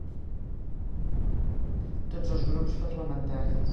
Tots els grups parlamentaris.